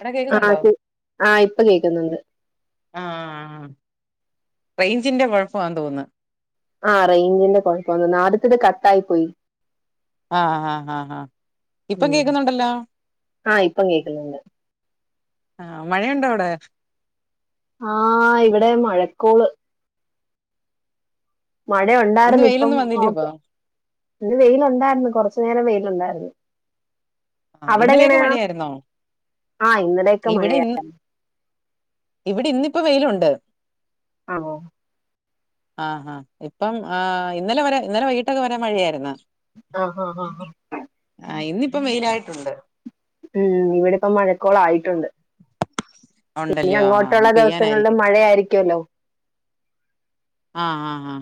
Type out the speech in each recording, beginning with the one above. എടാ കേക്കുന്നുണ്ടോ ആഹ് ആഹ് ഇപ്പ കേക്ക്ന്ന്ണ്ട് ആഹ് റേഞ്ചിന്റെ കുഴപ്പാന്ന് തോന്നുന്ന് ആ റേഞ്ച്ന്റെ കുഴപ്പംന്ന ആദ്യത്തന്നെ കട്ട ആയി പോയി ആഹ് ആഹ് ആഹ് ഹാ ഇപ്പം ഉം. കേക്കുന്നുണ്ടല്ലോ ആ ഇപ്പം കേൾക്കുന്നുണ്ട് മഴയുണ്ട വിടെ ആഹ് ഇവിടെ മഴക്കോള് ഇന്ന് മഴയുണ്ടായിരുന്നു ഇപ്പം വെയിലൊന്നും വന്നില്ല ഇപ്പൊ നോക്ക ഇന്ന് വെയിലുണ്ടായിരുന്നു കൊറച്ചുനരം വെയിലുണ്ടായിരുന്നു ആഹ് ഇന്നലെയൊക്കെ അവടെങ്ങനെയാ മഴയായിരുന്നോ ആഹ് ഇന്നലൊക്കെ ഇവിടെ മഴയ ഇന്ന് ഇവിടെ ഇന്നിപ്പ വെയിലുണ്ട് ആണോ ആഹാ ഇപ്പം ആഹ് ഇന്നലെ വരെ ഇന്നലെ വൈകിട്ടൊക്കെ വരെ മഴിയായിരുന്ന ആഹ് ആഹ് ആഹ് ആഹ് ആഹ് ഇന്നിപ്പ മെയിൻ ആയിട്ടുണ്ട് ഉം ഇവിടെ ഇപ്പം മഴക്കോള ആയിട്ടുണ്ട് ഇനി ഉണ്ടല്ലോ അങ്ങോട്ടുള്ള ആഹ് ദിവസങ്ങളിലും പെയ്യാനായിരിക്കും മഴയായിരിക്കുമല്ലോ ആഹ് ആഹ് ആഹ്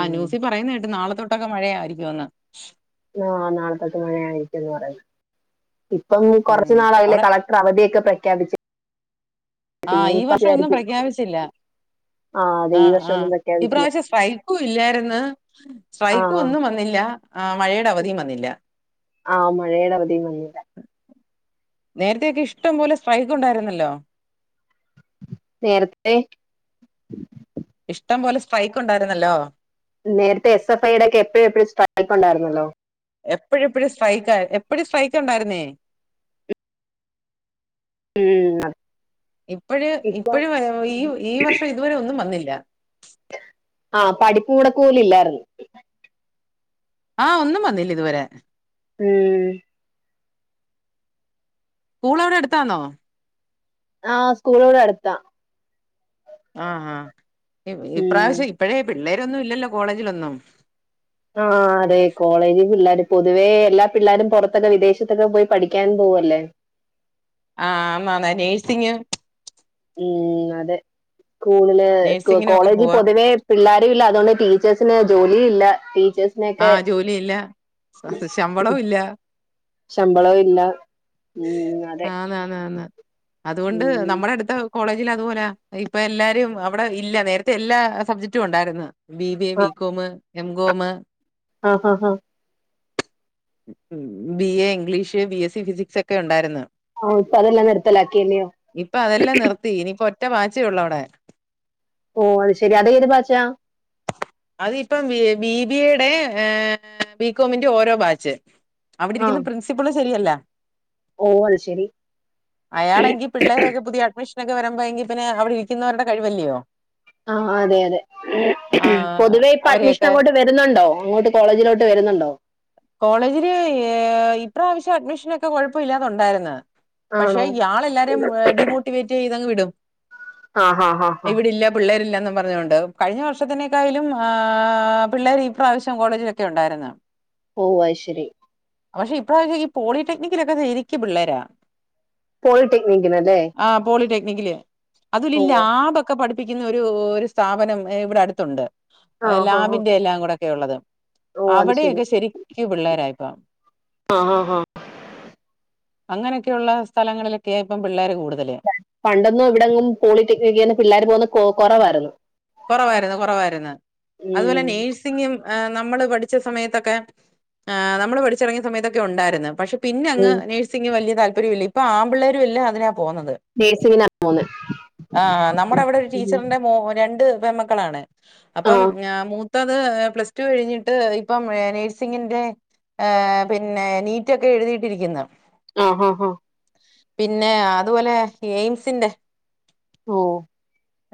ആ ന്യൂസി പറയുന്ന കേട്ട് നാളെ തൊട്ടൊക്കെ മഴയയിരിക്കുംന്ന് ആഹ് നാളത്തക്കെ മഴയായിരിക്കന്ന് പറയുന്നത് ഇപ്പം കൊറച്ച ഉം നാൾ അാവല അവിടെ കള ട്ടര് അവധിയൊക്കെ പ്രഖ്യാപി ആഹ് ഈ വർഷം ഒന്നും വിചാരിക്കും പ്രഖ്യാപിച്ചില്ല ആ അതെ ഈ ആഹ് വർഷം ആഹ് ഒന്നും പ്രഖ്യാപിച്ചില്ല ഇപ്രാവശ്യം സ്ട്രൈ ഇല്ലായിരുന്നു ആ സ്ട്രൈക്കും ആ ഒന്നും വന്നില്ല ആഹ് മഴയുടെ അവധിയും വന്നില്ല ആഹ് മഴയുടെ അവധി വന്നില്ല നേരത്തെയൊക്കെ ഇഷ്ടം പോലെ സ്ട്രൈക്ക് ഉണ്ടായിരുന്നല്ലോ നേരത്തെ ഇഷ്ടം പോല സ്ട്രൈക്ക് ഉണ്ടായിരുന്നല്ലോ നേരത്തെ എസ് എഫ് ഐയുടെ ഒക്കെ എപ്പോഴും എപ്പോഴും സ്ട്രൈക്ക് ഉണ്ടായിരുന്നല്ലോ എപ്പഴു എപ്പഴ് സ്ട്രൈക്ക് എപ്പഴ സ്ട്രൈക്ക് ഉണ്ടായിരുന്നേ ഉം ഇപ്പഴ് ഇപ്പൊ ഇപ്പഴും ഈ ഈ വർഷം ഇതുവരെ ഒന്നും വന്നില്ല ആഹ് പഠിപ്പ് മുടക്ക് പോലും ഇല്ലായിരുന്നു ആഹ് ഒന്നും വന്നില്ല ഇതുവരെ ഉം സ്കൂൾ അവിടെ അടുത്താന്നോ ആഹ് സ്കൂള് വടെ അട്ത്ത ആഹ് ആഹ് ഉം, ഇപ്രാവശ്യം ഇപ്പഴേ പിള്ളേരൊന്നും ഇല്ലല്ലോ കോളേജിലൊന്നും ആഹ് ഹാ അതെ കോളേജ് പിള്ളേർ പൊതുവേ എല്ലാ പിള്ളോരും പുറത്തൊക്കെ വിദേശത്തൊക്കെ പോയി പഠിക്കാൻ പോവല്ലേ ആഹ് ആന്നാ നേഴ്സിങ് ഉം അതെ സ്കൂളില് നേഴ്സിങ്ങിനൊക്കെ കോളേജ് പോവാ പൊതുവേ പിള്ളോരും ഇല്ല അതുകൊണ്ട് ടീച്ചേഴ്സിന് ജോലി ഇല്ല ടീച്ചേഴസ് ആഹ് ജോലിയില്ല ശമ്പളവും ഇല്ല ശമ്പളവും ഇല്ല ഉം, അതെ ആന്നന്ന അതുകൊണ്ട് ഉം, നമ്മുടെ അടുത്ത കോളേജിൽ അതുപോലെ ഇപ്പൊ എല്ലാരും അവിടെ ഇല്ല നേരത്തെ എല്ലാ സബ്ജക്ടും ഉണ്ടാര്ന്ന് ബി ബിഎ ബികോമ് എംകോമ് ആഹ് ആഹ് ആഹ് ഉ B A English B S C physics ഒക്കെ ഉണ്ടായിരുന്നു ആഹ് ഇപ്പൊ അതെല്ലാം നിർത്തലാ ക്കിയില്ലിയോ ഇനിയിപ്പൊ ഒറ്റ മാച്ചേ ഒള്ളൂ അവിടെ ഓ അത് ശെരി അത് ഏത് ബാച്ചാ അതിപ്പം ബിബി എ ടെ ബികോമിന്റെ ഓരോ ബാച്ച് ച് അവിടെ ആ ഇരിക്ന്ന പ്രിൻസിപ്പള് സെരിയല്ല ഓ അത് ശരി അയാളെങ്കി പിള്ളേരൊക്കെ പുതിയ അഡ്മിഷ ക്കെ വരുമ്പോ എങ്കി പിന്നെ അവിടി രിക്കുന്നരുടെ കഴിവല്യോ ആഹ് അതെ അതെ ആഹ് പൊതുവെ ഇപ്പൊ അഡ്മിഷൻ അവരെയൊക്കെ അങ്ങോട്ട് വരുന്നുണ്ടോ അങ്ങോട്ട് കോളേജിലോട്ട് വരുന്നുണ്ടോ കോളേജില് ഇപ്രാവശ്യം അഡ്മിഷനൊ ക്കെ കൊഴപ്പല്ലാതെ ഉണ്ടായിര്ന്ന് പക്ഷെ ആണോ ഇയാളെല്ലാരേം ഡീമോട്ടിവേറ്റീ തങ് വിടും. ആ ഹാ ഹാ ഹാ എവിടില്ലം പിള്ളേരില്ലെന്നും പറഞ്ഞുകൊണ്ട് കഴിഞ്ഞ വർഷത്തിനേക്കായിലും ആ പിള്ളേര് ഇപ്രാവശ്യം കോളേജിലൊക്കെ ഉണ്ടായിര്ന്ന് ഓഹ് അത് ശരി പക്ഷെ ഇപ്രാവശ് ഈ പോളിടെക്നിക്കിലൊക്കെ രിക്ക് പിള്ളേരാ പോളിടെക്നികിനല്ലേ ആ പോളിടെക്നിക്കില്. അദുലില്ലാബ ക്കെ പഠിപ്പിക്കുന്ന ഒരു ഒരു സ്ഥാപനം ഇവിടെ അടുത്തുണ്ട്. ആ ഹാ ഹാ ലാബിന്റെ എല്ലാം കൂടെക്കെ ഉള്ളത് ഓ അത് ശരി അവിടെയൊക്കെ ശരിക്കു പിള്ളേരാ ഇപ്പം ആ ആ ഹാ അങ്ങനെയൊക്കെള്ള സ്ഥലങ്ങളിലൊക്കെ ഇപ്പം പിള്ളേര് കൂടുതല് പണ്ടൊന്നും ഇവിടെങ്ങും പോളിടെക്നിക്ക്ന്ന് പിള്ളേർ പോകുന്ന കൊ കൊറവായിരുന്നു കൊറവായിരുന്നു കൊറവായിരുന്നു അതുപോലെ ഉം നഴ്സ് സിങ്ങും നമ്മള് പഠിച്ച സമയത്തൊക്കെ നമ്മള് പഠിച്ചിറങ്ങിയ സമയത്തൊക്കെ ഉണ്ടായിര്ന്ന് പക്ഷെ പിന്നെ അങ്ങ് ഉം നഴ്സിങ് വലിയ താല്പര്യല്ല. ഇപ്പൊ ആമ്പിള്ളേരു ല്ലാം അതിനാ പോകുന്നത് നേഴ്സിങ്ങിനാ പോകുന്നത് ആ നമ്മുടെ അവിടെ ഒരു ഉം. ടീച്ചറിന്റെ മോ പെമ്മക്കളാണ് ആ അപ്പം ഏ മൂ ത്തത് പ്ലസ് ടു കഴിഞ്ഞിട്ട് ഇപ്പം നേഴ്സിങ്ങിന്റെ ഏ പിന്നെ നീറ്റൊക്കെ എഴുതിയിട്ടിരിക്കുന്നു ആഹ ഹഹ പിന്നെ അതുപോലെ എയിംസിന്റെ ഓ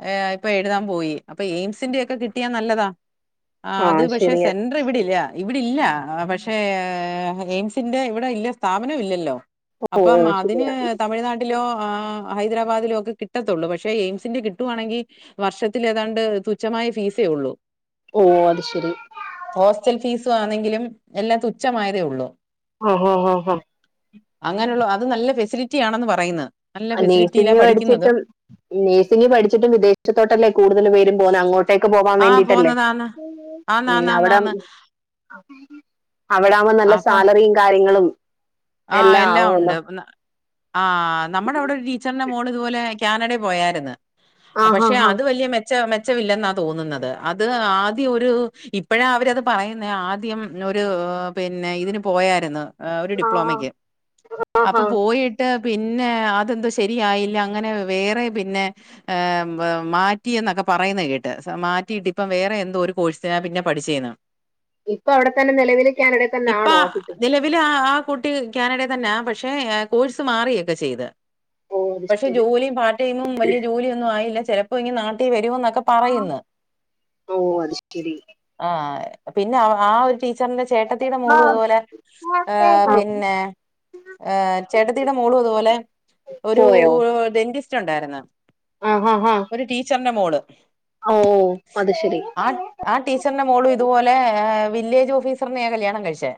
ഏ് ഇപ്പൊ എഴുതാൻ പോയി. അപ്പൊ എയിംസിന്റെക്കെ കിട്ടിയാ നല്ലതാ ആ അത് പക്ഷെ സെൻ ഇവിടില്ല ഇവിടില്ല പക്ഷേ എയിംസിന്റെ ഇവിടെ ഇല്ല സ്ഥാപനവും ഇല്ലല്ലോ ഓ അപ്പം ഓ അതിന് ശരിയാ തമിഴ്നാട്ടിലോ ആഹ് ഹൈദരാബാദിലോക്കെ കിട്ടത്തുള്ളൂ പക്ഷെ എയിംസിന്റെ കിട്ടുവാണെങ്കിൽ വർഷത്തിലതാണ്ട് തുച്ഛമായ ഫീസേ ഉള്ളൂ ഓ അത് ശെരി ഹോസ്റ്റൽ ഫീസും ആണെങ്കിലും എല്ലാം തുച്ഛമായതേ ഉള്ളൂ [unintelligible] അങ്ങനെയുള്ള അത് നല്ല ഫെസിലിറ്റി ആണെന്ന് പറയുന്നത് നല്ല ആഹ് ഫെസിലിറ്റിയിലാ നഴ്സിംഗി പഠിക്കുന്നതും പഠിച്ചിട്ടും നഴ്സി പഠിച്ചിട്ടും വിദേശത്തോട്ടല്ലേ കൂടുതൽേ അങ്ങോട്ടേക്ക് പോവാൻ ആ വേണ്ടിട്ടല്ലേ പോകുന്നതാന്ന് മ് അവിടം ആന്നാന്നാന്നാന്ന് അവിടാവുമ്പോ നല്ല സാലറിയും കാര്യങ്ങളും ആഹ് എല്ലാം എല്ലാ ആവുമല്ലോ ഉണ്ട് ന ആഹ് നമ്മുടെ അവിടെ ഒരു ടീച്ചറിന്റെ മോള് ഇതുപോലെ കാനഡയിൽ പോയായിരുന്നു ആഹാ പക്ഷെ ഹാ അത് വലിയ മെ ച്ച മെച്ചമില്ലെന്നാ തോന്നുന്നത് അത് ആദ്യം ഒരു ഇപ്പഴാ അവരത് പറയുന്ന ആദ്യം ന്നൊരു പിന്നെ ഇതിന് പോയാരുന്നു ഒരു ആ ഡിപ്ലോമക്ക് ആ അപ്പൊ ഹാ പോയി ട്ട് പിന്നെ അതെന്തോ ശരിയായില്ല അങ്ങനെ വേറെ പിന്നെ മാറ്റിയ എന്നൊക്കെ പറയുന്നത് കേട്ട് മാറ്റിയിട്ടി ഇപ്പം വേറെ എന്തോ ഒരു കോഴ്സിനാ പിന്നെ പഠിചേന്ന് [inaudible] ഇപ്പൊ അവിടെ തന്നെ നിലവിലേ കാനഡ തന്നെ ആണോ ഓഫീസ് ങ്കിലു ആഹ് ആഹ് കുട്ടി കാനഡ തന്നെ പക്ഷെ കോഴ്സ് മാറിയൊക്കെ ചെയ്ത് ഓ അത് പക്ഷെ ശരി ജോലിയും പാർട്ട് ടൈമും വലിയ ജോലി ഒന്നും ആയില്ല ചെലപ്പോ ഇനി നാട്ടിൽ വരമ ന്നൊക്കെ പറയുന്നു ഓ അത് ശരി ആഹ് പിന്ന ആഹ് ഒരു ടീച്ചറിന്റെ ചേട്ടത്തിയുടെ മോളും അതുപോലെ ആഹ് ആ, പിന്നെ ആഹ് ചേടതിയുടെ മോളും അതുപോലെ ഒരു പോയോ ഡൻ റ്റുണ്ടായിരുന്നു ആ ഹാ ഹാ ഒരു ടീച്ചറിന്റെ മോള് ഓ അത് ശരി ആഹ് ആഹ് ടീച്ചറിന്റെ മോളും ഇതുപോലെ വില്ലേജ് ഓഫീസറിനെയാ കല്യാണം കഴിച്ചേ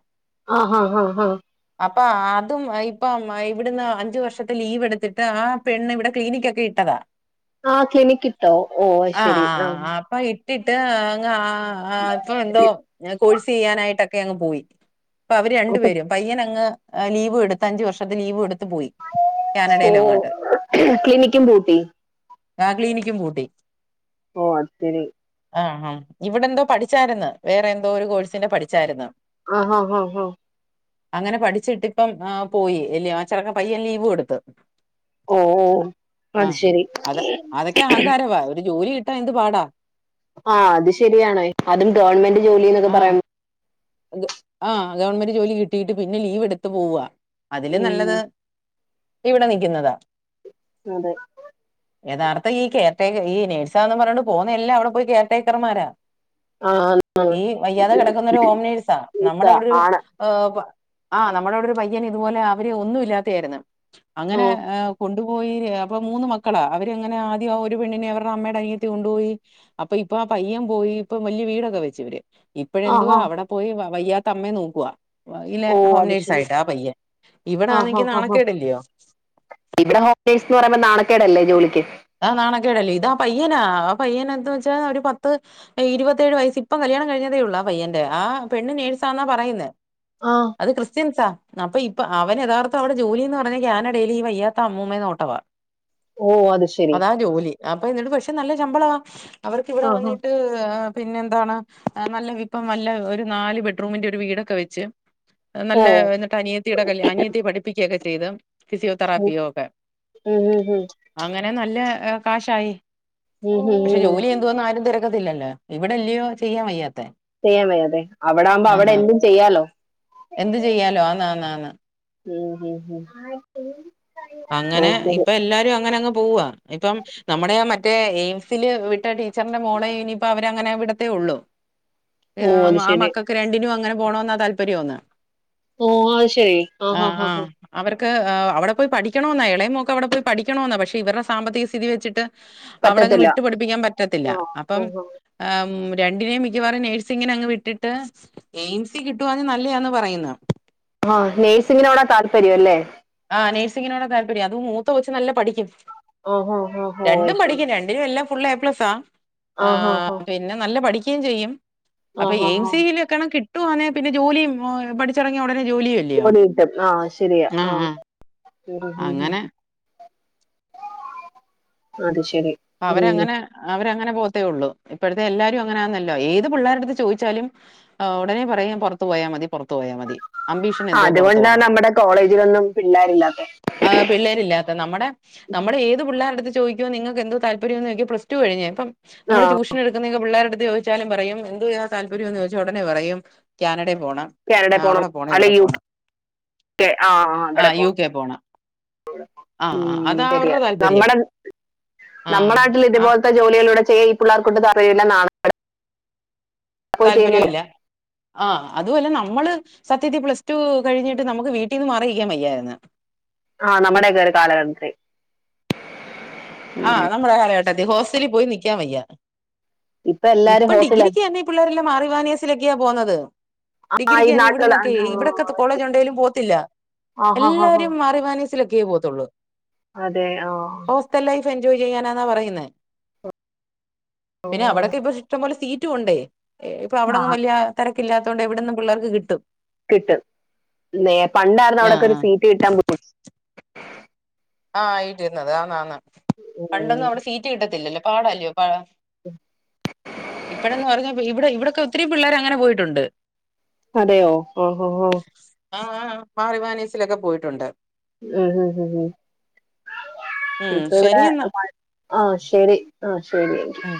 ആഹ് ആഹ് ആഹ് അപ്പൊ ആതും ഇപ്പം ഇവിടുന്ന് അഞ്ചു വർഷത്തെ ലീവ് എടുത്തിട്ട് ആ പെണ്ണ് ഇവിടെ ക്ലിനിക്ക ഒക്കെ ഇ ത്തക ആ ക്ലിനിക്കിട്ടോ ഓ ശെരി ആഹ് പ്പൊ ഇട്ടിട്ട് അങ്ങ് ആഹ് ഇപ്പൊ എന്തോ കോഴ്സ് ചെയ്യാനായിട്ടൊക്കെ അങ്ങ് പോയി പ്പൊ അവര് രണ്ടു അപ്പൊ പേരും പയ്യൻ അങ്ങ് ലീവ് എടുത്ത് അഞ്ചുവർഷത്തെ ലീവ് എടുത്ത പോയി കാനഡയിലും അങ്ങോട്ട് ക്ലിനിക്കും പൂട്ടി ആഹ് ക്ലിനിക്കും പൂട്ടി ഓ അത് ശരി ആഹ് ആഹ് ഇവിടെ എന്തോ പഠിച്ചായിരുന്നു വേറെ എന്തോ ഒരു കോഴ്സിന്റെ പഠിച്ചാരുന്നു ആഹ് ആഹ് ആഹ് അങ്ങനെ പഠിച്ചിട്ടിപ്പം ആഹ് പോയി ഇല്ല അച്ചറക്കെ പയ്യൻ ലീവ് എടുത്ത് ഓ ഓ അത് ആഹ് ശരി അത അതൊക്കെ അഹങ്കാരവാ ഒരു ജോലി കിട്ടാനെന്ത് പാടാ ആഹ് അത് ശരിയാണേ അതും ഗവൺമെന്റ് ജോലിന്നൊക്കെ പറ ആഹ് ആഹ് ഗവൺമെന്റ് ജോലി കിട്ടിട്ട് പിന്നെ ലീവ് എടുത്ത് പോവാ അതില് നല്ലത് ഉം ഇവിടെ നിൽക്കുന്നതാ അതെ [inaudible] യഥാർത്ഥ ഈ കെയർട ഈ നേഴ്സാന്ന് പറഞ്ഞോണ്ട് പോവുന്ന എല്ലാം അവിടെ പോയി കെയർടേക്കർമാരാ ആഹ് ഈ വയ്യാതെ കിടക്കുന്ന ഒരു ഹോംനേഴ്സാ നമ്മുടെ അവിടെ ഒരു ആണ് ആഹ് നമ്മടെവിടൊ ഒരു പയ്യൻ ഇതുപോലെ അവര് ഒന്നു ഇല്ലാത്തായിരുന്നു അങ്ങനെ ആഹ് കൊണ്ടുപോയി അപ്പൊ മൂന്ന് മക്കളാ അവരങ്ങനെ ആദ്യം ആ ഒരു പെണ്ണിനെ അവരുടെ അമ്മയുടെ അനിയത്തി കൊണ്ടുപോയി അപ്പൊ ഇപ്പൊ ആ പയ്യൻ പോയി ഇപ്പൊ വല്ല്യ വീടൊക്കെ വെച്ചിവര്. ആഹ് ഇപ്പഴെന്തുവാ ആഹ് അവട പോയി വയ്യാത്തമ്മയേ ന്നോക്കുവാ. വഇലെ ഓ അത് ശരി ഹോംനേഴ്സായിട്ട് ആ പയ്യൻ ആഹ് ഇവടാണെങ്കി ആഹ് ന്നാണക്കേടല്ലയോ? നേഴ്സ്ന്ന് പറയുമ്പോ ന്നാണക്കേടല്ലേ ജോലിക്ക്. ആഹ് നാണക്കേടല്ലേ ഇതാ പയ്യനാ ആ പയ്യന എന്തന്ന് വെച്ചാ ഒരു പത്ത് ഏ ഇരുവത്തേഴ് വയസിപ്പ കല്യാണം കഴിഞ്ഞതേയുള്ളൂ ആ പയ്യന്റെ ആ പെണ്ണ് നേഴ്സാന്നാ പറയുന്നെ ആഹ് അത് ക്രിസ്ത്യൻസ ന്നപ്പഇപ്പ അവന് എഥാർത്ഥ അവ്ടെ ജോലിന്ന് പറഞ്ഞ കാനടെയില് ഈവയ്യാത്ത അമ്മുമേ ന്നോട്ടവാ. ഓ അത് ശെ- അതാ ജോലി അപ്പ എന്നിട്ട് പക്ഷെ നല്ല ശമ്പളമാ അവർക്കിവിടെ ആഹ് ആഹ് വന്നിട്ട് പിന്നെ എന്താണ് നല്ല വിപ്പം നല്ല ഒരു നാല് ബെഡ്റൂമിന്റെ ഒരു വീടൊക്കെ വെച്ച് ഓ ന്നല്ലേ എന്നിട്ട് അനിയത്തിയുടെ കൽ അനിയത്തിയെ പഠിപ്പിക്കൊക്കെ ചെയ്ത് ഉം ഫിസിയോതെറാപ്പിയോ ഒക്കെ. ഉം ഉ ഹിം പിനെ ന്നല്ലേ ഏ കാശായി ഉം ഉം പക്ഷെ ഉം. ജോലി എന്തുവാന്ന് ആരും തെരക്കത്തില്ലല്ലാ. ഇവ്ടെല്ലയോ ചെയ്യാൻ വയ്യാത്തേ- ചെയ്യാൻവയ്യാതെ അവടാമ്പോ അവടെന്തും ചെയ്യാലോ. എന്ത് ചെയ്യാലോ ആന്നാ ആന്നാ ആന്ന് [unintelligible] ഉം അങ്ങനെ ഇപ്പ എല്ലാരും അങ്ങനങ്ങ് പൂവാ. ഇപ്പം ന്നമ്മടെ ആ മറ്റേ എയിംസില് വിട്ട ട്ടീച്ചർന്റെ മോളെ ഇനിപ്പ അവൻ ഇവരങ്ങനെ വിടത്തേ ഒള്ളു രാ അത് ആ ശരി മക്കക്ക് രണ്ടിനും അങ്ങന പോണോന്നാ താല്പര്യോന്ന്. ഓ അയ് ശെരി ആ ഹാ ഹാ ആഹ് അവർക്ക് ഏ അവ്ടപോയ്‌ പഠിക്കണോ ന്നാ എളയമോക്ക്‌ അവ്ടപോയ് പഠിക്കണോന്നാ പശെ ഇവര്ടെ സാമ്പത്തിക സ്ഥിതി വെച്ച്ട്ട് അവ്ടങ്ങ് പറ്റത്തില്ല വിട്ട് പടിപ്പിക്കാൻ പറ്റത്തില്ല ആഹ് അപ്പം- ആഹ് ഏമ് രണ്ടിനേം മിക്കവാറും നേഴ്സിങ്ങിനങ്ങ് വിട്ട്ട്ട്. എയിംസി കിട്ടുവാനും ന്നല്ലയാന്ന് പറയുന്ന- ആഹ നഴ്സിങ്ങിനോടാ താല്പര്യം ല്ലേ? ആ നഴ്സിങ്ങിനോടാ താല്പര്യം അതും മൂത്തകൊച്ച് ന്നല്ലം പഠിക്കും ഓ ഓ ഓ ഓ അത് രണ്ടും ശരി പഠിക്കും രണ്ട്- എടി എല്ലാം ഫുള്ള് എ പ്ലസ് ആ ആഹ് ആഹ് പിനെ ന്നല്ല പഠിക്കേം ചെയ്യും. അപ്പ ആഹ് എയിം ആഹ് ആഹ് സിവിലൊക്കെണെ കിട്ടുവാന്നേ പിനെ ജോലിയും ഓ പഠിച്ചിറങ്ങിയ ഉടനെ ജോലിയൊല്ലേ. പണികിട്ടും ആഹ് ശെരിയാ ആഹ്. അങ്ങനെ അത് ശെരി. അവരങ്ങനെ അവരങ്ങന പോവത്തേഒള്ളു ഇപ്പഴ്ത്തെ എല്ലാരും അങ്ങനെയാന്നല്ലോ ഏത് പിള്ളേര്ട്ത്ത് ചോയ്ച്ചാലും. ആഹ് ഉടനെ പറയും പൊറത്തു പോയാ മതി പൊറത്തു പോയാ മതി. അംബീഷൻ ആഹ് എന്തുവോ പൊറത്തു അതുകൊണ്ടാ പോണം നമ്മുടെ കോളേജിലൊന്നും പിള്ളേരില്ലാത്തെ ആഹ് പിള്ളേരില്ലാത്ത ന്നമ്മടെ. ന്നമ്മടെ ഏത് പിള്ളേരെട്ത്ത് ചോയ്ക്കോ നിങ്ങക്കെന്തോ താല്പര്യംന്ന് ന്നോയ്ക്കും പ്ലസ് റ്റു കഴിഞ് പ്പം നമ്മള് ആഹ് റ്റുഷനെട് ന്നി ക്കുന്നൊക്കെ പിള്ളേരെട്ത്ത് ചോയ്ച്ചാലും പറയും എന്തുചെയ്യാനാ താല്പര്യം ന്നോയ്ച്ച ഉടനെ പറയും കാനടേ പോണം. ക്യാനടേ ആഹ് പോണം അവിടെ ഇവിടെ അല്ലെങ്കി യു പോണം കെ ആഹ് ആഹ് അക്കടെ പോണം. ആഹ് ആഹ് മ്മ് അതാ ശെരിയാ അവരുടെ താല്പര്യം ന്നമ്മടെ ആഹ് ന്നമ്മളായ്ട്ട്ള്ള ആഹ് ഇത്പോൽത്തെ- ജോലിയിലൂടെ ചെയ്യ ഈ പിള്ളേർ കൊണ്ട് തറയുല്ലാ ന്നാണക്കേടാ താല്പര്യോം ഇല്ല. ആഹ് അതുഅല്ല ന്നമ്മള് സത്യത്തി പ്ലസ് ടു കഴിഞ്ഞിട്ട് ന്നമ്ക്ക് വീട്ടീന്ന് മാറിയിക്കൻവയ്യായ്ര്ന്ന്. ആഹ് നമ്മുടെയൊക്കെ ഒരു കാലഘട്ട് ത്തി- ആഹ് ന്നമ്മടെ കാലഘട്ടത്തി ഹോസ്റ്റലി പോയി ന്നിക്കാൻ വയ്യ. ഇപ്പൊ എല്ലാരും ഇപ്പം ഹോസ്റ്റല ഡിഗ്രിക്ക്‌ എനെ ഈ പിള്ളേരെല്ലാം മാറി വാനിയസിലൊക്കെയാ പോന്നത്. ആഹ് ഈ ഡിഗ്രിക്കെനെ നാട്ടിലുള്ള ഇവിട്ന്നൊക്കെ ഇവിടൊക്കെത്തെ കോളേജുണ്ടെലും പോവത്തില്ല ആഹ് ആഹ് ആഹ് എല്ലാരും മാറി മാനിസ് സിലൊക്കെ പോത്തുള്ളൂ. അതെ ആഹ് ത്തൻ ലൈഫ് എൻജോയ് ചെയ്യാനാന്നാ പറയുന്നേ പിനെ അവടെക്കെ ഇപ്പോ ഇഷ്ടംപോലെ സീറ്റ്- റ്റുംണ്ടേ ഇപ്പ അവടെങ്ങും ആഹ് വെൽയ തെരക്കില്ലാതോണ്ട് എവിടന്നും പിള്ളേർക്ക് കിട്ടും. കിട്ടും നേ പണ്ടാരുന്നു ആഹ് അവിടൊക്കൊരു ആഹ് സീറ്റ് കിട്ടാൻ ബു ആഹ് ആയിര്ന്ന് അതാന്നാന്ന് ഉം പണ്ടൊന്നും അവിടെ സീറ്റ് കിട്ടത്തില്ലല്ലോ പാടല്ലോ പ ഇപ്പഴന്ന് പറഞ്ഞ ഇവിടെ ഇവിടൊക്കെ ഒത്തിരീം പിള്ളേരങ്ങനെ പോയിട്ടുണ്ട് അതെയോ ഓഹോഹോ ആഹ് ആഹ് ആഹ് മാർ ഇവാനീസിലൊക്കെ പോയിട്ടുണ്ട് ഹാ ഹാ ഹാ ഉം ഇപ്പവ്ടെ ശരിയെന്നാ [unintelligible] ആഹ് ശെരി ആഹ് ശരിയങ്കി ഉം